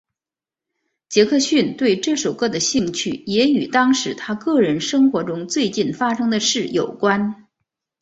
杰克逊对这首歌的兴趣也与当时他个人生活中最近发生的事有关。